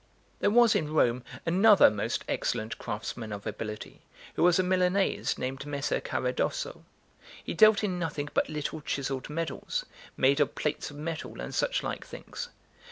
There was in Rome another most excellent craftsman of ability, who was a Milanese named Messer Caradosso. He dealt in nothing but little chiselled medals, made of plates of metal, and such like things.